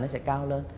nó sẽ cao lên